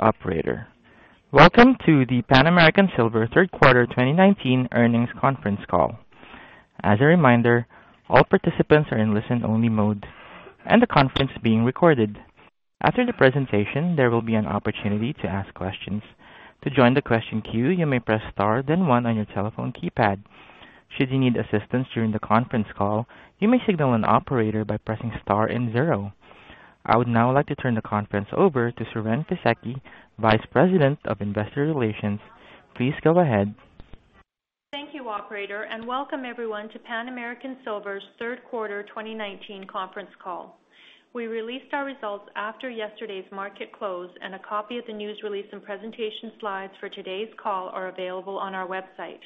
Operator, welcome to the Pan American Silver third quarter 2019 earnings conference call. As a reminder, all participants are in listen-only mode, and the conference is being recorded. After the presentation, there will be an opportunity to ask questions. To join the question queue, you may press star then one on your telephone keypad. Should you need assistance during the conference call, you may signal an operator by pressing star and zero. I would now like to turn the conference over to Siren Fisekci, Vice President of Investor Relations. Please go ahead. Thank you, Operator, and welcome everyone to Pan American Silver's third quarter 2019 conference call. We released our results after yesterday's market close, and a copy of the news release and presentation slides for today's call are available on our website.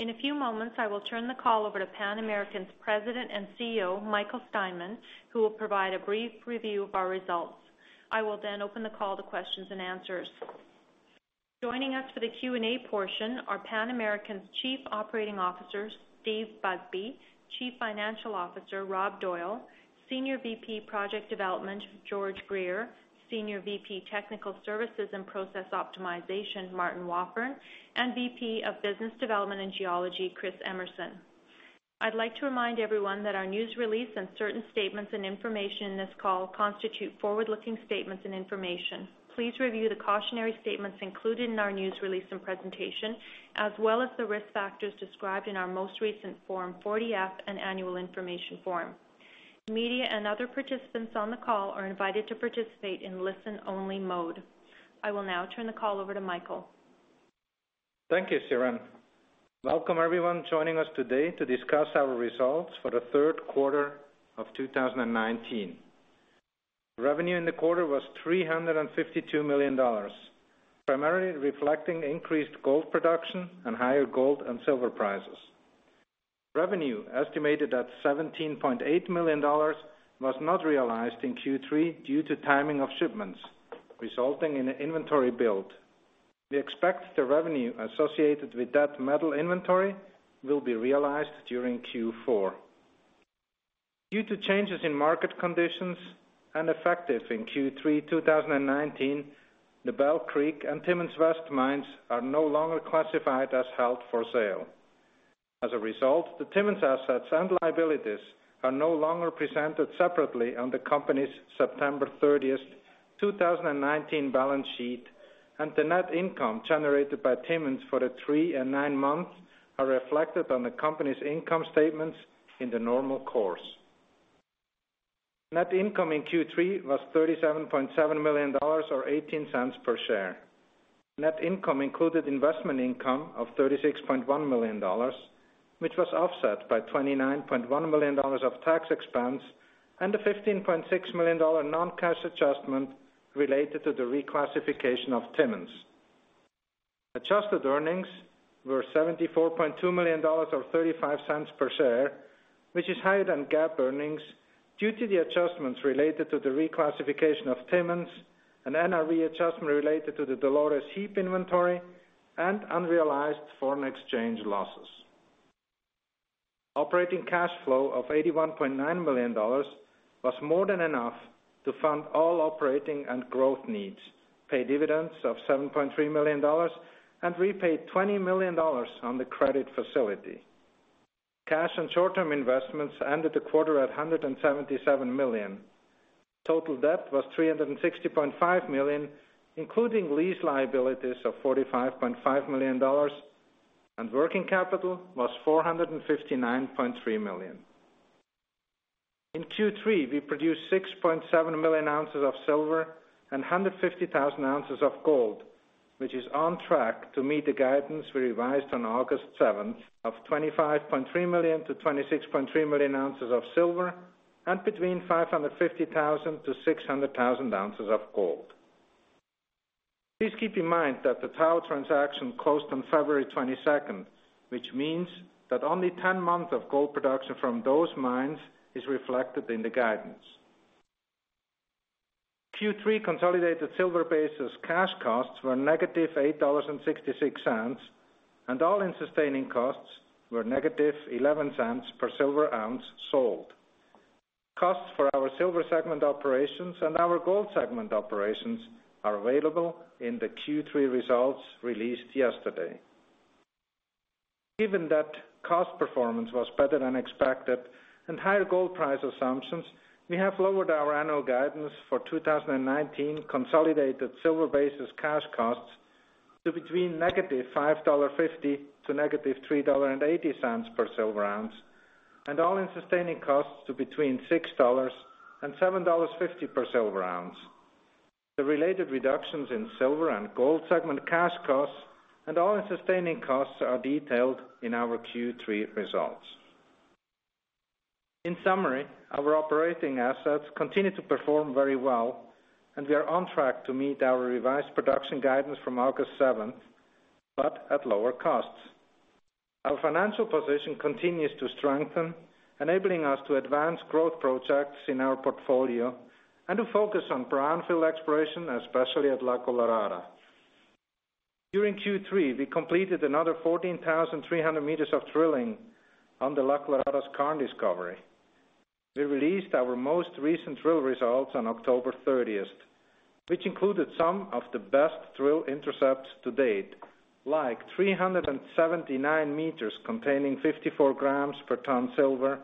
In a few moments, I will turn the call over to Pan American's President and CEO, Michael Steinmann, who will provide a brief review of our results. I will then open the call to questions and answers. Joining us for the Q&A portion are Pan American's Chief Operating Officer, Steve Busby, Chief Financial Officer, Rob Doyle, Senior VP Project Development, George Greer, Senior VP Technical Services and Process Optimization, Martin Wafforn, and VP of Business Development and Geology, Chris Emerson. I'd like to remind everyone that our news release and certain statements and information in this call constitute forward-looking statements and information. Please review the cautionary statements included in our news release and presentation, as well as the risk factors described in our most recent Form 40-F and annual information form. Media and other participants on the call are invited to participate in listen-only mode. I will now turn the call over to Michael. Thank you, Siren. Welcome everyone joining us today to discuss our results for the third quarter of 2019. Revenue in the quarter was $352 million, primarily reflecting increased gold production and higher gold and silver prices. Revenue estimated at $17.8 million was not realized in Q3 due to timing of shipments, resulting in an inventory build. We expect the revenue associated with that metal inventory will be realized during Q4. Due to changes in market conditions and effective in Q3 2019, the Bell Creek and Timmins West mines are no longer classified as held for sale. As a result, the Timmins assets and liabilities are no longer presented separately on the company's September 30, 2019, balance sheet, and the net income generated by Timmins for the three and nine months are reflected on the company's income statements in the normal course. Net income in Q3 was $37.7 million or $0.18 per share. Net income included investment income of $36.1 million, which was offset by $29.1 million of tax expense and a $15.6 million non-cash adjustment related to the reclassification of Timmins. Adjusted earnings were $74.2 million or $0.35 per share, which is higher than GAAP earnings due to the adjustments related to the reclassification of Timmins and NRV adjustment related to the Dolores heap-leach inventory and unrealized foreign exchange losses. Operating cash flow of $81.9 million was more than enough to fund all operating and growth needs, pay dividends of $7.3 million, and repay $20 million on the credit facility. Cash and short-term investments ended the quarter at $177 million. Total debt was $360.5 million, including lease liabilities of $45.5 million, and working capital was $459.3 million. In Q3, we produced 6.7 million ounces of silver and 150,000 ounces of gold, which is on track to meet the guidance we revised on August 7 of 25.3-26.3 million ounces of silver and between 550,000 to 600,000 ounces of gold. Please keep in mind that the Tahoe transaction closed on February 22, which means that only 10 months of gold production from those mines is reflected in the guidance. Q3 consolidated silver bases cash costs were -$8.66, and all-in sustaining costs were -$0.11 per silver ounce sold. Costs for our silver segment operations and our gold segment operations are available in the Q3 results released yesterday. Given that cost performance was better than expected and higher gold price assumptions, we have lowered our annual guidance for 2019 consolidated silver basis cash costs to between -$5.50 and -$3.80 per silver ounce, and all-in sustaining costs to between $6.00 and $7.50 per silver ounce. The related reductions in silver and gold segment cash costs and all-in sustaining costs are detailed in our Q3 results. In summary, our operating assets continue to perform very well, and we are on track to meet our revised production guidance from August 7, but at lower costs. Our financial position continues to strengthen, enabling us to advance growth projects in our portfolio and to focus on brownfield exploration, especially at La Colorada. During Q3, we completed another 14,300 meters of drilling on the La Colorada's skarn discovery. We released our most recent drill results on October 30, which included some of the best drill intercepts to date, like 379 meters containing 54 grams per ton silver,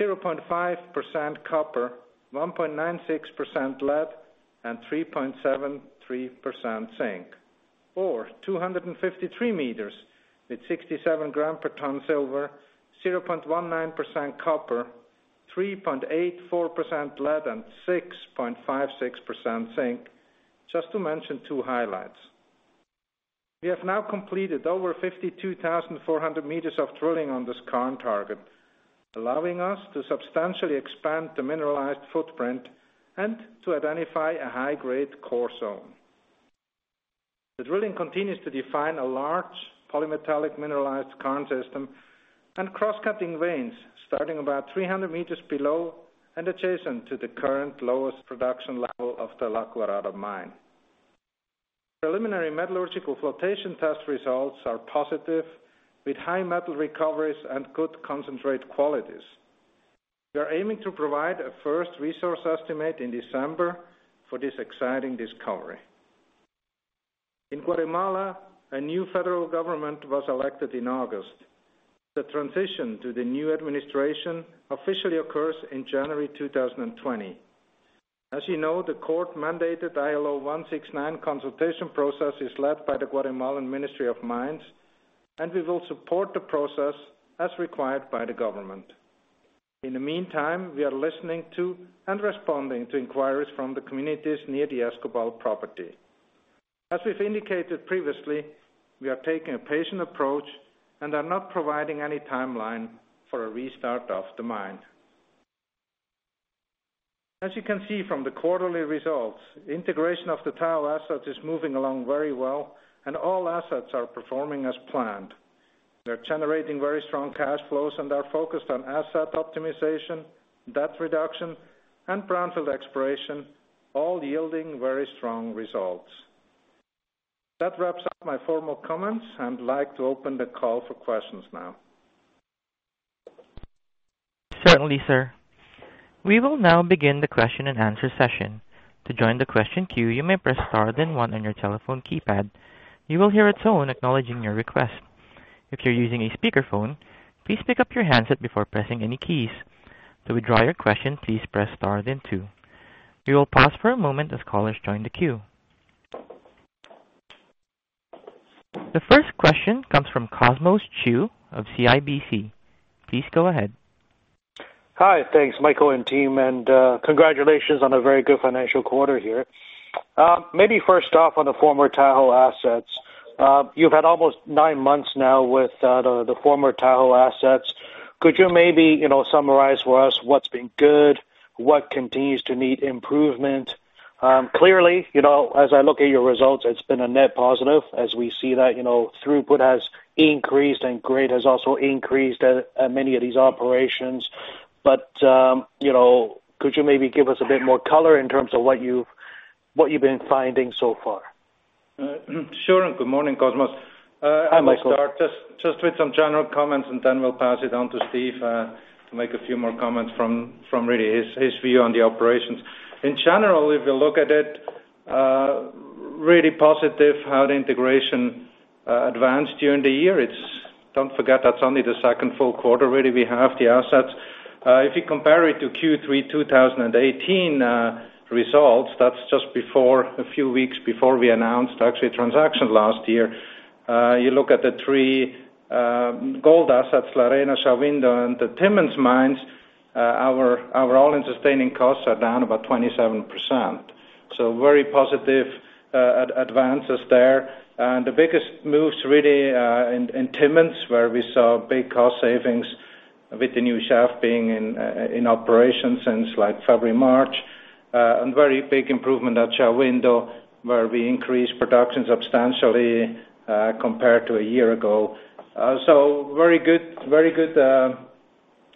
0.5% copper, 1.96% lead, and 3.73% zinc, or 253 meters with 67 grams per ton silver, 0.19% copper, 3.84% lead, and 6.56% zinc, just to mention two highlights. We have now completed over 52,400 meters of drilling on this skarn target, allowing us to substantially expand the mineralized footprint and to identify a high-grade core zone. The drilling continues to define a large polymetallic mineralized skarn system and cross-cutting veins starting about 300 meters below and adjacent to the current lowest production level of the La Colorada mine. Preliminary metallurgical flotation test results are positive, with high metal recoveries and good concentrate qualities. We are aiming to provide a first resource estimate in December for this exciting discovery. In Guatemala, a new federal government was elected in August. The transition to the new administration officially occurs in January 2020. As you know, the court-mandated ILO 169 consultation process is led by the Guatemalan Ministry of Mines, and we will support the process as required by the government. In the meantime, we are listening to and responding to inquiries from the communities near the Escobal property. As we've indicated previously, we are taking a patient approach and are not providing any timeline for a restart of the mine. As you can see from the quarterly results, integration of the Tahoe assets is moving along very well, and all assets are performing as planned. They're generating very strong cash flows and are focused on asset optimization, debt reduction, and brownfield exploration, all yielding very strong results. That wraps up my formal comments, and I'd like to open the call for questions now. Certainly, sir. We will now begin the question and answer session. To join the question queue, you may press star then one on your telephone keypad. You will hear a tone acknowledging your request. If you're using a speakerphone, please pick up your handset before pressing any keys. To withdraw your question, please press star then two. We will pause for a moment as callers join the queue. The first question comes from Cosmos Chiu of CIBC. Please go ahead. Hi, thanks, Michael and team, and congratulations on a very good financial quarter here. Maybe first off, on the former Tahoe assets, you've had almost nine months now with the former Tahoe assets. Could you maybe summarize for us what's been good, what continues to need improvement? Clearly, as I look at your results, it's been a net positive, as we see that throughput has increased and grade has also increased at many of these operations. But could you maybe give us a bit more color in terms of what you've been finding so far? Sure. Good morning, Cosmos. I'll start just with some general comments, and then we'll pass it on to Steve to make a few more comments from really his view on the operations. In general, if you look at it, really positive how the integration advanced during the year. Don't forget that's only the second full quarter really we have the assets. If you compare it to Q3 2018 results, that's just a few weeks before we announced actually transaction last year. You look at the three gold assets, La Arena, Shahuindo, and the Timmins mines, our all-in sustaining costs are down about 27%. So very positive advances there. And the biggest moves really in Timmins, where we saw big cost savings with the new shaft being in operation since like February, March, and very big improvement at Shahuindo, where we increased production substantially compared to a year ago. So very good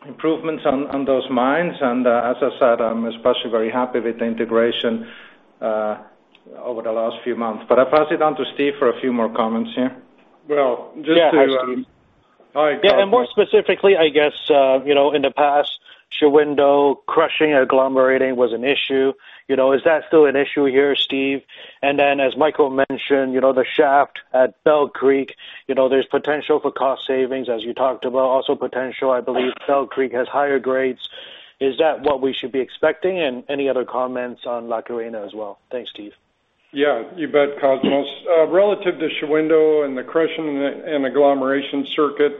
improvements on those mines. And as I said, I'm especially very happy with the integration over the last few months. But I'll pass it on to Steve for a few more comments here. Just to. Yeah, and more specifically, I guess in the past, Shahuindo, crushing agglomerating was an issue. Is that still an issue here, Steve? And then, as Michael mentioned, the shaft at Bell Creek, there's potential for cost savings, as you talked about. Also potential, I believe, Bell Creek has higher grades. Is that what we should be expecting? And any other comments on La Arena as well? Thanks, Steve. Yeah, you bet, Cosmos. Relative to Shahuindo and the crushing and agglomeration circuit,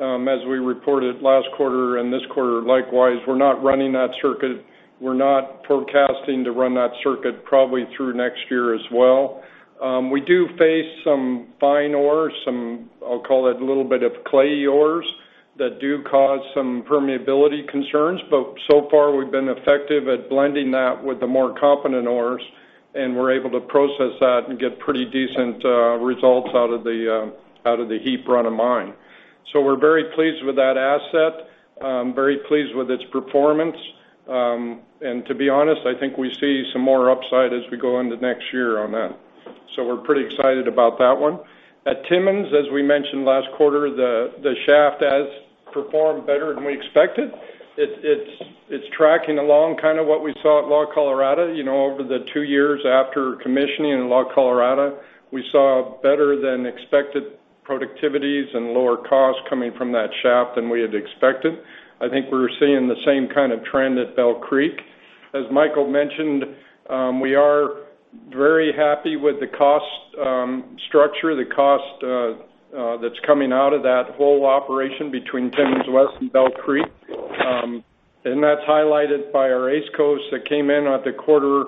as we reported last quarter and this quarter likewise, we're not running that circuit. We're not forecasting to run that circuit probably through next year as well. We do face some fine ores, some I'll call it a little bit of clay ores that do cause some permeability concerns. But so far, we've been effective at blending that with the more competent ores, and we're able to process that and get pretty decent results out of the heap run of mine. So we're very pleased with that asset, very pleased with its performance. And to be honest, I think we see some more upside as we go into next year on that. So we're pretty excited about that one. At Timmins, as we mentioned last quarter, the shaft has performed better than we expected. It's tracking along kind of what we saw at La Colorada. Over the two years after commissioning in La Colorada, we saw better than expected productivities and lower costs coming from that shaft than we had expected. I think we're seeing the same kind of trend at Bell Creek. As Michael mentioned, we are very happy with the cost structure, the cost that's coming out of that whole operation between Timmins West and Bell Creek. And that's highlighted by our AISC that came in at the quarter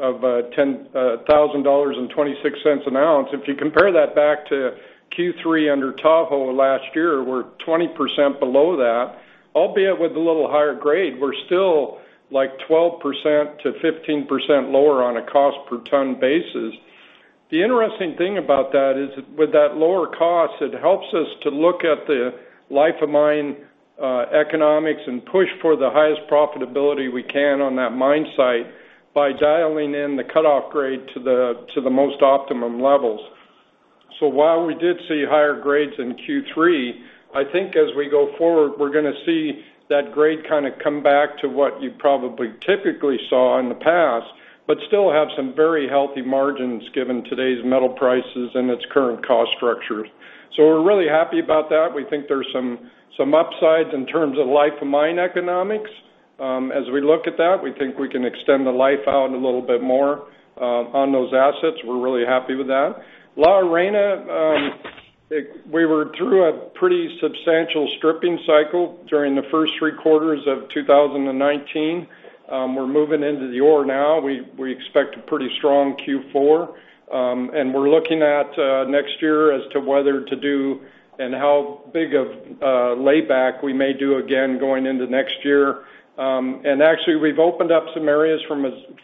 of $1,000.26 an ounce. If you compare that back to Q3 under Tahoe last year, we're 20% below that, albeit with a little higher grade. We're still like 12%-15% lower on a cost per ton basis. The interesting thing about that is, with that lower cost, it helps us to look at the life of mine economics and push for the highest profitability we can on that mine site by dialing in the cutoff grade to the most optimum levels. So while we did see higher grades in Q3, I think as we go forward, we're going to see that grade kind of come back to what you probably typically saw in the past, but still have some very healthy margins given today's metal prices and its current cost structure. So we're really happy about that. We think there's some upside in terms of life of mine economics. As we look at that, we think we can extend the life out a little bit more on those assets. We're really happy with that. La Arena, we were through a pretty substantial stripping cycle during the first three quarters of 2019. We're moving into the ore now. We expect a pretty strong Q4. And we're looking at next year as to whether to do and how big of a layback we may do again going into next year. And actually, we've opened up some areas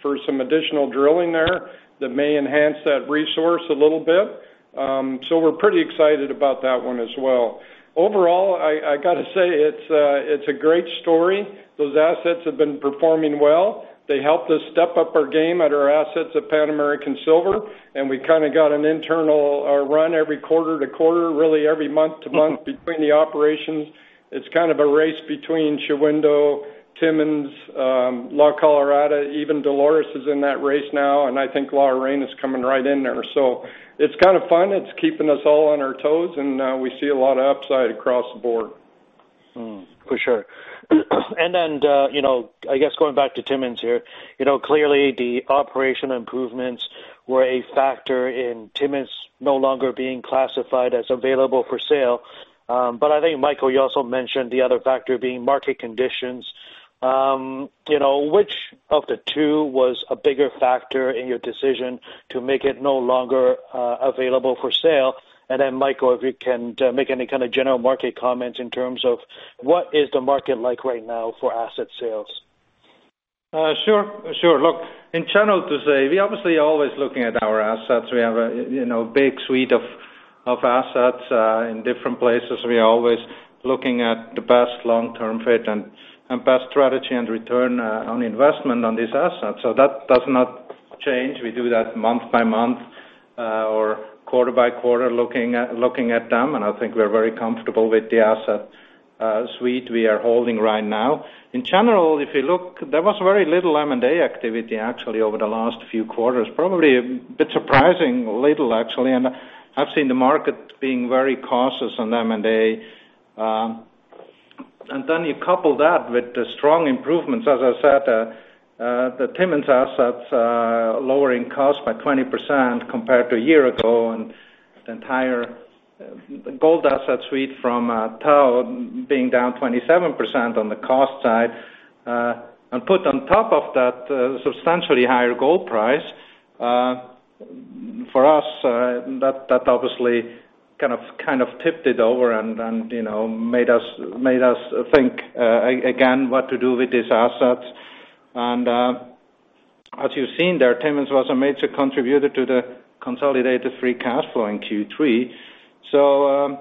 for some additional drilling there that may enhance that resource a little bit. So we're pretty excited about that one as well. Overall, I got to say, it's a great story. Those assets have been performing well. They helped us step up our game at our assets at Pan American Silver. And we kind of got an internal run every quarter to quarter, really every month to month between the operations. It's kind of a race between Shahuindo, Timmins, La Colorada, even Dolores is in that race now. And I think La Arena is coming right in there. So it's kind of fun. It's keeping us all on our toes, and we see a lot of upside across the board. For sure. And then, I guess going back to Timmins here, clearly the operational improvements were a factor in Timmins no longer being classified as available for sale. But I think, Michael, you also mentioned the other factor being market conditions. Which of the two was a bigger factor in your decision to make it no longer available for sale? And then, Michael, if you can make any kind of general market comments in terms of what is the market like right now for asset sales? Sure. Sure. Look, in general, to say, we obviously are always looking at our assets. We have a big suite of assets in different places. We are always looking at the best long-term fit and best strategy and return on investment on these assets. So that does not change. We do that month by month or quarter by quarter looking at them. And I think we're very comfortable with the asset suite we are holding right now. In general, if you look, there was very little M&A activity actually over the last few quarters. Probably a bit surprising, little actually. And I've seen the market being very cautious on M&A. And then you couple that with the strong improvements, as I said, the Timmins assets lowering cost by 20% compared to a year ago. And the entire gold asset suite from Tahoe being down 27% on the cost side. And put on top of that, substantially higher gold price. For us, that obviously kind of tipped it over and made us think again what to do with these assets. And as you've seen there, Timmins was a major contributor to the consolidated free cash flow in Q3. So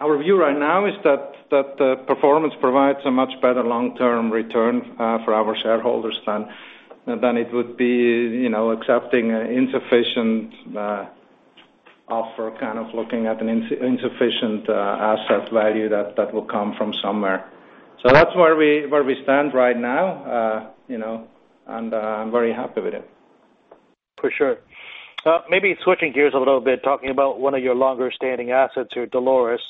our view right now is that the performance provides a much better long-term return for our shareholders than it would be accepting an insufficient offer, kind of looking at an insufficient asset value that will come from somewhere. So that's where we stand right now. And I'm very happy with it. For sure. Maybe switching gears a little bit, talking about one of your longer-standing assets here, Dolores.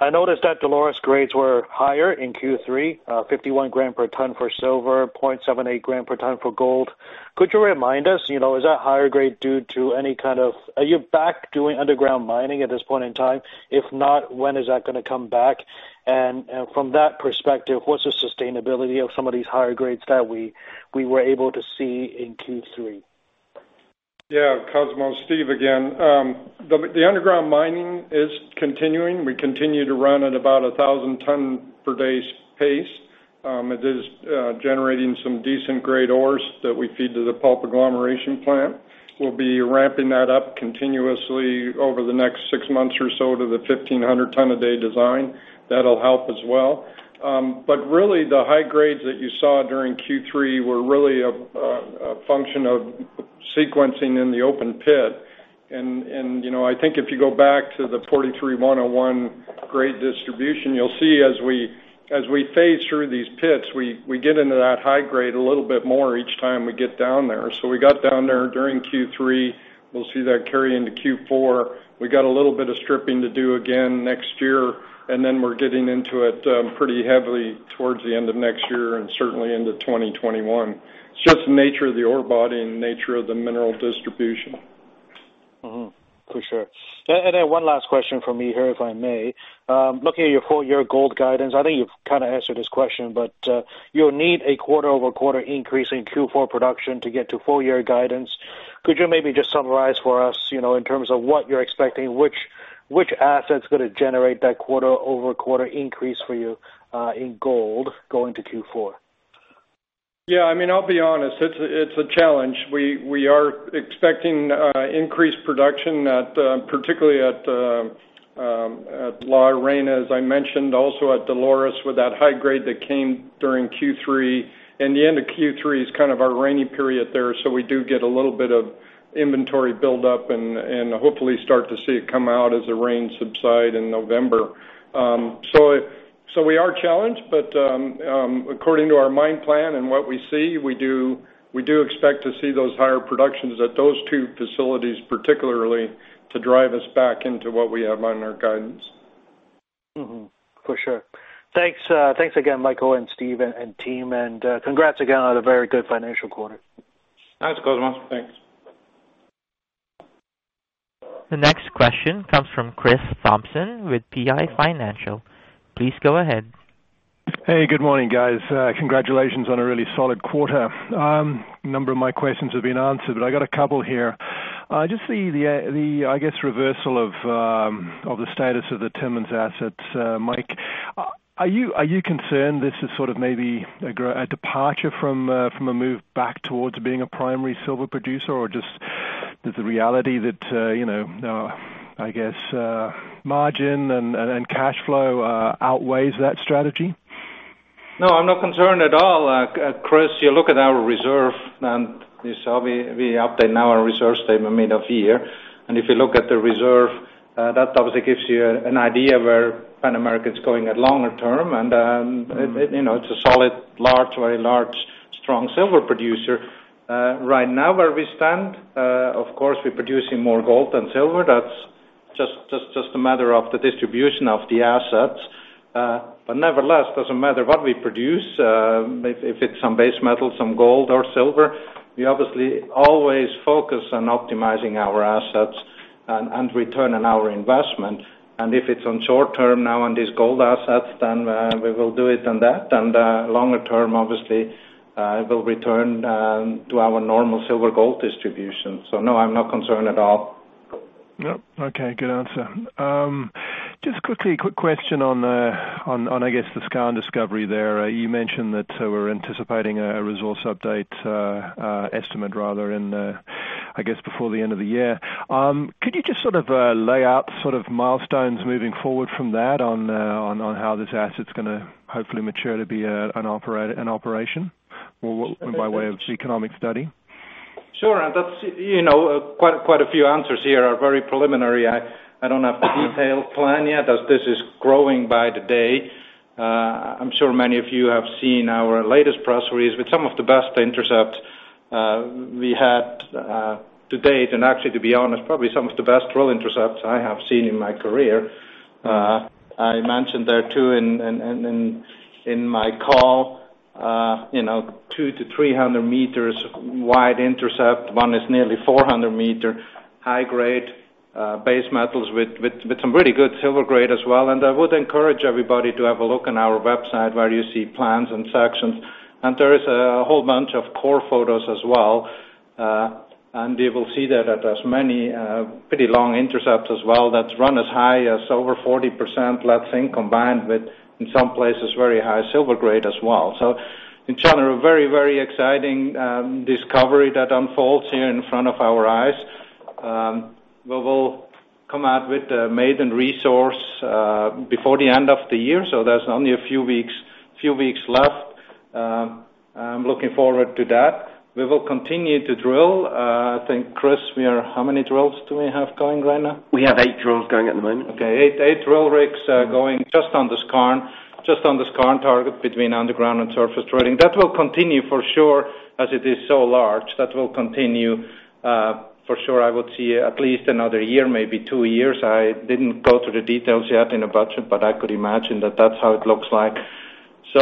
I noticed that Dolores grades were higher in Q3, 51 grams per ton for silver, 0.78 grams per ton for gold. Could you remind us, is that higher grade due to any kind of, are you back doing underground mining at this point in time? If not, when is that going to come back? And from that perspective, what's the sustainability of some of these higher grades that we were able to see in Q3? Yeah, Cosmos, Steve again. The underground mining is continuing. We continue to run at about a 1,000-ton per day pace. It is generating some decent grade ores that we feed to the pulp agglomeration plant. We'll be ramping that up continuously over the next six months or so to the 1,500-ton a day design. That'll help as well. But really, the high grades that you saw during Q3 were really a function of sequencing in the open pit. And I think if you go back to the 43-101 grade distribution, you'll see as we phase through these pits, we get into that high grade a little bit more each time we get down there. So we got down there during Q3. We'll see that carry into Q4. We got a little bit of stripping to do again next year. And then we're getting into it pretty heavily towards the end of next year and certainly into 2021. It's just the nature of the ore body and nature of the mineral distribution. For sure. And then one last question from me here, if I may. Looking at your four-year gold guidance, I think you've kind of answered this question, but you'll need a quarter-over-quarter increase in Q4 production to get to four-year guidance. Could you maybe just summarize for us in terms of what you're expecting, which asset's going to generate that quarter-over-quarter increase for you in gold going to Q4? Yeah. I mean, I'll be honest. It's a challenge. We are expecting increased production, particularly at La Arena, as I mentioned, also at Dolores with that high grade that came during Q3, and the end of Q3 is kind of our rainy period there, so we do get a little bit of inventory buildup and hopefully start to see it come out as the rains subside in November, so we are challenged, but according to our mine plan and what we see, we do expect to see those higher productions at those two facilities, particularly, to drive us back into what we have on our guidance. For sure. Thanks again, Michael and Steve and team. And congrats again on a very good financial quarter. Thanks, Cosmos. Thanks. The next question comes from Chris Thompson with PI Financial. Please go ahead. Hey, good morning, guys. Congratulations on a really solid quarter. A number of my questions have been answered, but I got a couple here. Just the, I guess, reversal of the status of the Timmins assets, Mike. Are you concerned this is sort of maybe a departure from a move back towards being a primary silver producer? Or just is the reality that, I guess, margin and cash flow outweighs that strategy? No, I'm not concerned at all. Chris, you look at our reserve, and we update now our reserve statement mid-year, and if you look at the reserve, that obviously gives you an idea where Pan American's going at longer term. It's a solid, large, very large, strong silver producer. Right now, where we stand, of course, we're producing more gold than silver. That's just a matter of the distribution of the assets. But nevertheless, it doesn't matter what we produce. If it's some base metal, some gold or silver, we obviously always focus on optimizing our assets and return on our investment. If it's on short term now on these gold assets, then we will do it on that, and longer term, obviously, it will return to our normal silver-gold distribution. So no, I'm not concerned at all. Yep. Okay. Good answer. Just quickly, quick question on, I guess, the skarn discovery there. You mentioned that we're anticipating a resource update estimate, rather, in, I guess, before the end of the year. Could you just sort of lay out sort of milestones moving forward from that on how this asset's going to hopefully mature to be an operation by way of economic study? Sure. And quite a few answers here are very preliminary. I don't have the detailed plan yet as this is growing by the day. I'm sure many of you have seen our latest press release with some of the best intercepts we had to date. And actually, to be honest, probably some of the best drill intercepts I have seen in my career. I mentioned there too in my call, 200-300 meters wide intercept. One is nearly 400-meter high grade, base metals with some really good silver grade as well. And I would encourage everybody to have a look on our website where you see plans and sections. And there is a whole bunch of core photos as well. And you will see that there's many pretty long intercepts as well that run as high as over 40%, let's think, combined with, in some places, very high silver grade as well. So in general, a very, very exciting discovery that unfolds here in front of our eyes. We will come out with a maiden resource before the end of the year. So there's only a few weeks left. I'm looking forward to that. We will continue to drill. I think, Chris, we are how many drills do we have going right now? We have eight drills going at the moment. Okay. Eight drill rigs going just on the skarn, just on the skarn target between underground and surface drilling. That will continue for sure as it is so large. I would see at least another year, maybe two years. I didn't go through the details yet in a budget, but I could imagine that that's how it looks like. We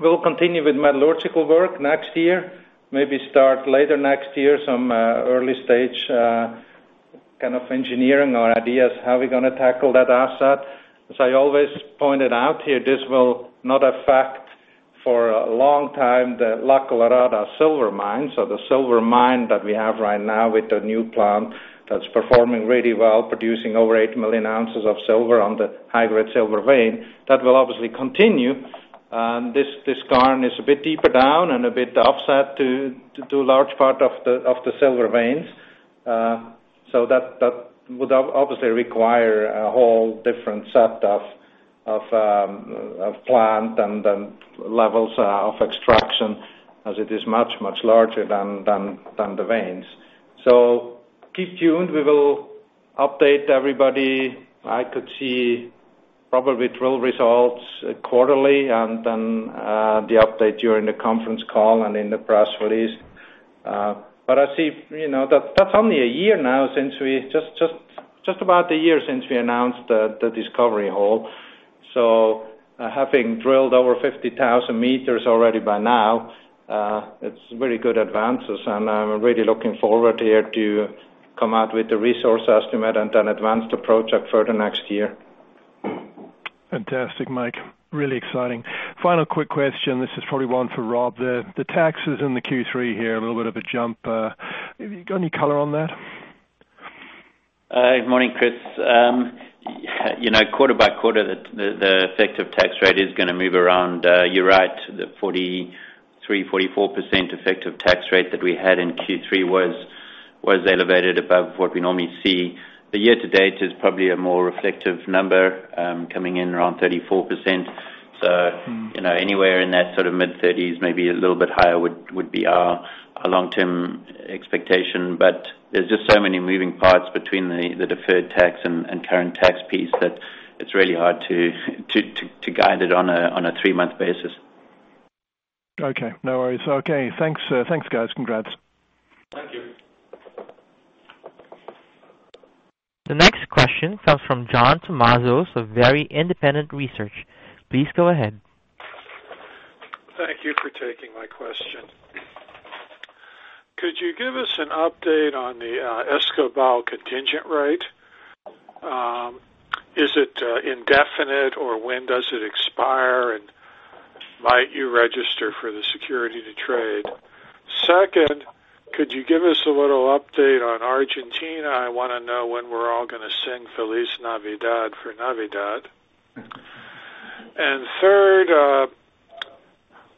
will continue with metallurgical work next year. Maybe start later next year some early stage kind of engineering or ideas how we're going to tackle that asset. As I always pointed out here, this will not affect for a long time the La Colorada silver mine. The silver mine that we have right now with the new plant that's performing really well, producing over eight million ounces of silver on the high-grade silver vein. That will obviously continue. This skarn is a bit deeper down and a bit offset to a large part of the silver veins, so that would obviously require a whole different set of plant and levels of extraction as it is much, much larger than the veins, so keep tuned. We will update everybody. I could see probably drill results quarterly and then the update during the conference call and in the press release, but I see that's only a year now, just about a year since we announced the discovery hole, so having drilled over 50,000 meters already by now, it's very good advances, and I'm really looking forward here to come out with the resource estimate and then advance the project for the next year. Fantastic, Mike. Really exciting. Final quick question. This is probably one for Rob. The taxes in the Q3 here, a little bit of a jump. Any color on that? Good morning, Chris. Quarter by quarter, the effective tax rate is going to move around. You're right. The 43%-44% effective tax rate that we had in Q3 was elevated above what we normally see. The year-to-date is probably a more reflective number coming in around 34%. So anywhere in that sort of mid-30s%, maybe a little bit higher would be our long-term expectation. But there's just so many moving parts between the deferred tax and current tax piece that it's really hard to guide it on a three-month basis. Okay. No worries. Okay. Thanks, guys. Congrats. Thank you. The next question comes from John Tumazos of Very Independent Research. Please go ahead. Thank you for taking my question. Could you give us an update on the Escobal contingent value right? Is it indefinite or when does it expire? And might you register for the security to trade? Second, could you give us a little update on Argentina? I want to know when we're all going to sing Feliz Navidad for Navidad. And third,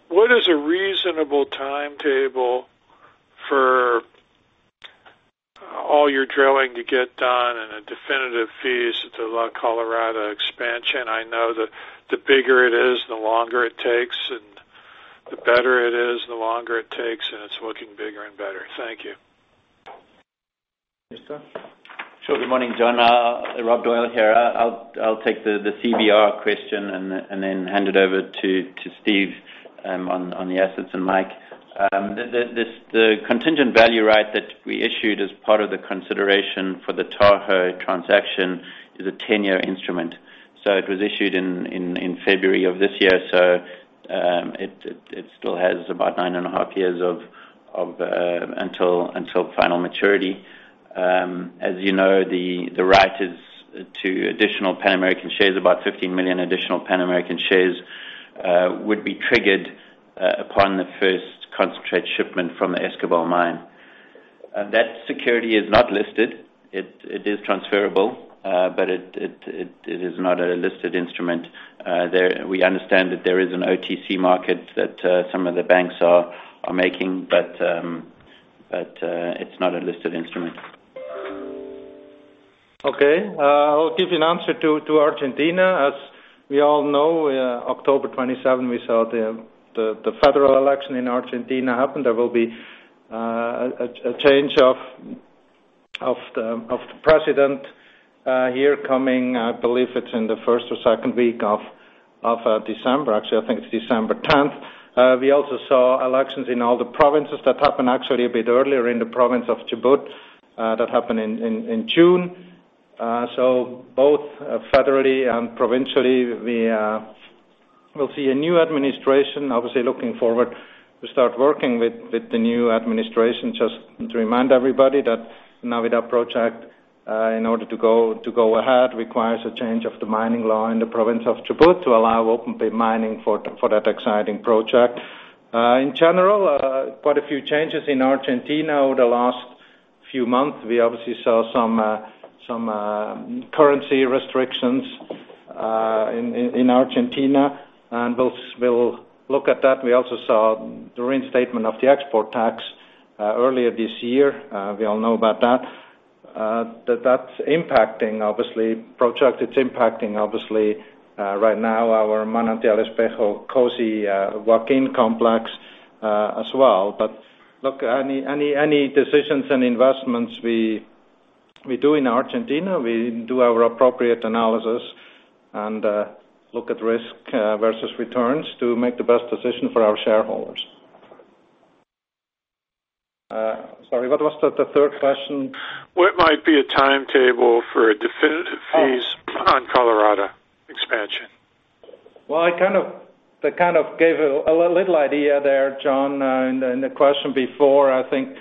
what is a reasonable timetable for all your drilling to get done and a definitive feasibility for the La Colorada expansion? I know that the bigger it is, the longer it takes, and the better it is, the longer it takes, and it's looking bigger and better. Thank you. Sure. Good morning, John. Rob Doyle here. I'll take the CVR question and then hand it over to Steve on the assets and Mike. The contingent value right that we issued as part of the consideration for the Tahoe transaction is a 10-year instrument. So it was issued in February of this year. So it still has about nine and a half years until final maturity. As you know, the right to additional Pan American shares, about 15 million additional Pan American shares, would be triggered upon the first concentrate shipment from the Escobal mine. That security is not listed. It is transferable, but it is not a listed instrument. We understand that there is an OTC market that some of the banks are making, but it's not a listed instrument. Okay. I'll give you an answer to Argentina. As we all know, October 27, we saw the federal election in Argentina happen. There will be a change of the president here coming. I believe it's in the first or second week of December. Actually, I think it's December 10th. We also saw elections in all the provinces that happened actually a bit earlier in the province of Chubut that happened in June. So both federally and provincially, we'll see a new administration, obviously looking forward to start working with the new administration. Just to remind everybody that the Navidad project, in order to go ahead, requires a change of the mining law in the province of Chubut to allow open-pit mining for that exciting project. In general, quite a few changes in Argentina over the last few months. We obviously saw some currency restrictions in Argentina. And we'll look at that. We also saw the reinstatement of the export tax earlier this year. We all know about that. That's impacting, obviously, projects. It's impacting, obviously, right now, our Manantial Espejo COSE Joaquin complex as well. But look, any decisions and investments we do in Argentina, we do our appropriate analysis and look at risk versus returns to make the best decision for our shareholders. Sorry, what was the third question? What might be a timetable for definitive feasibility on La Colorada expansion? I kind of gave a little idea there, John, in the question before. I think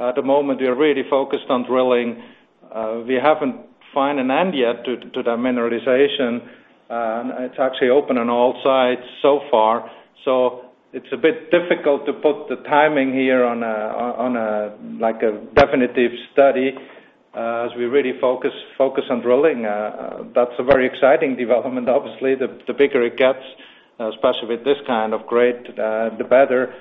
at the moment, we are really focused on drilling. We haven't found an end yet to that mineralization. It's actually open on all sides so far. So it's a bit difficult to put the timing here on a definitive study as we really focus on drilling. That's a very exciting development, obviously. The bigger it gets, especially with this kind of grade, the better.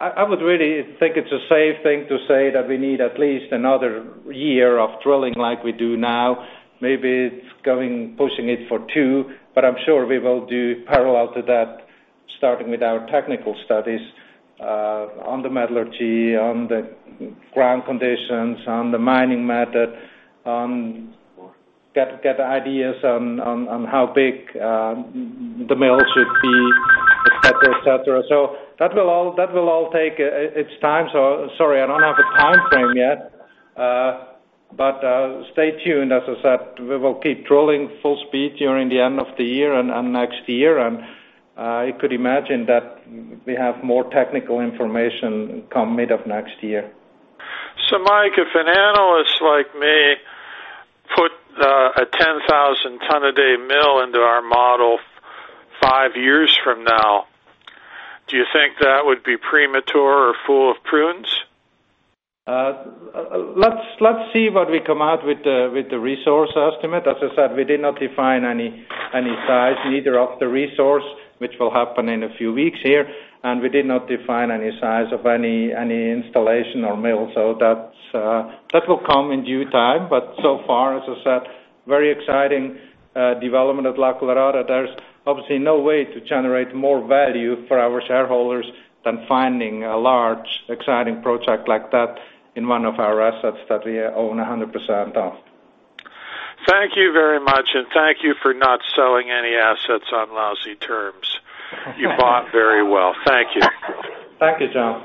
I would really think it's a safe thing to say that we need at least another year of drilling like we do now. Maybe it's going pushing it for two. But I'm sure we will do parallel to that, starting with our technical studies on the metallurgy, on the ground conditions, on the mining method, on get ideas on how big the mill should be, etc., etc. So that will all take its time. So sorry, I don't have a timeframe yet. But stay tuned. As I said, we will keep drilling full speed during the end of the year and next year. And you could imagine that we have more technical information come mid of next year. So Mike, if an analyst like me put a 10,000-ton-a-day mill into our model five years from now, do you think that would be premature or full of prunes? Let's see what we come out with the resource estimate. As I said, we did not define any size, neither of the resource, which will happen in a few weeks here. And we did not define any size of any installation or mill. So that will come in due time. But so far, as I said, very exciting development at La Colorada. There's obviously no way to generate more value for our shareholders than finding a large, exciting project like that in one of our assets that we own 100% of. Thank you very much. And thank you for not selling any assets on lousy terms. You bought very well. Thank you. Thank you, John.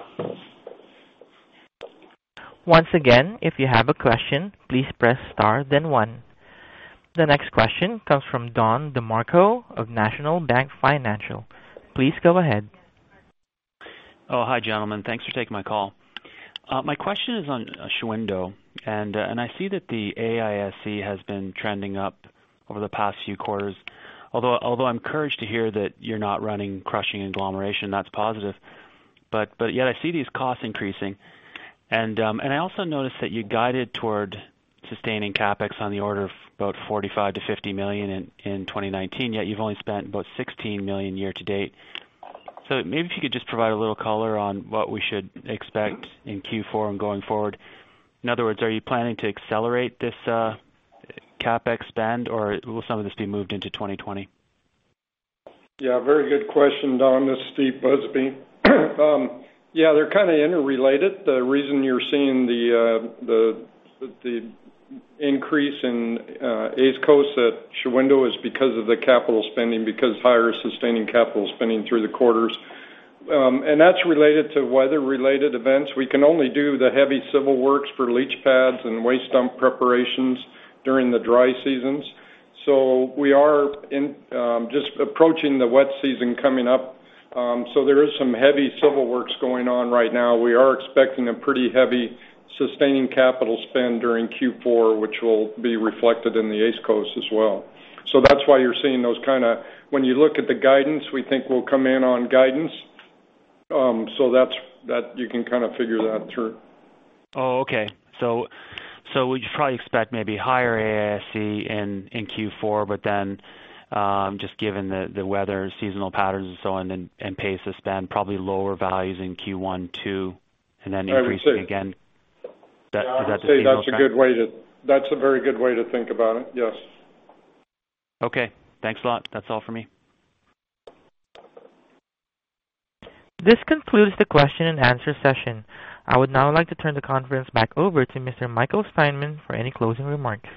Once again, if you have a question, please press star, then one. The next question comes from Don DeMarco of National Bank Financial. Please go ahead. Oh, hi, gentlemen. Thanks for taking my call. My question is on Shahuindo. And I see that the AISC has been trending up over the past few quarters. Although I'm encouraged to hear that you're not running crushing agglomeration, that's positive. But yet, I see these costs increasing. And I also noticed that you guided toward sustaining CapEx on the order of about $45-$50 million in 2019, yet you've only spent about $16 million year to date. So maybe if you could just provide a little color on what we should expect in Q4 and going forward. In other words, are you planning to accelerate this CapEx spend, or will some of this be moved into 2020? Yeah. Very good question, Don and Steve Busby. Yeah, they're kind of interrelated. The reason you're seeing the increase in Escobal at Shahuindo is because of the capital spending, because higher sustaining capital spending through the quarters, and that's related to weather-related events. We can only do the heavy civil works for leach pads and waste dump preparations during the dry seasons. So we are just approaching the wet season coming up. So there are some heavy civil works going on right now. We are expecting a pretty heavy sustaining capital spend during Q4, which will be reflected in the Escobal as well. So that's why you're seeing those kind of when you look at the guidance, we think we'll come in on guidance. So that you can kind of figure that through. Oh, okay. So we should probably expect maybe higher AISC in Q4, but then just given the weather, seasonal patterns, and so on, and pace of spend, probably lower values in Q1, Q2, and then increasing again. Is that the seasonal? I'd say that's a good way to think about it. Yes. Okay. Thanks a lot. That's all for me. This concludes the question and answer session. I would now like to turn the conference back over to Mr. Michael Steinmann for any closing remarks.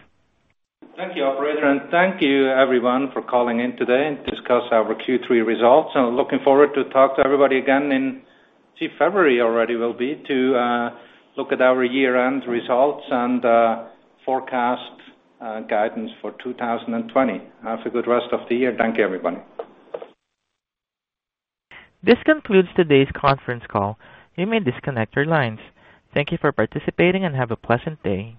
Thank you, Operator. And thank you, everyone, for calling in today and discussing our Q3 results. And looking forward to talking to everybody again in, I think, February already will be to look at our year-end results and forecast guidance for 2020. Have a good rest of the year. Thank you, everybody. This concludes today's conference call. You may disconnect your lines. Thank you for participating and have a pleasant day.